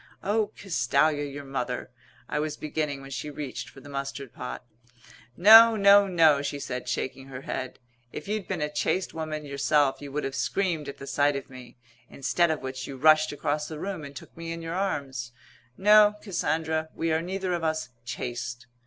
"Oh, Castalia, your mother " I was beginning when she reached for the mustard pot. "No, no, no," she said, shaking her head. "If you'd been a chaste woman yourself you would have screamed at the sight of me instead of which you rushed across the room and took me in your arms. No, Cassandra. We are neither of us chaste."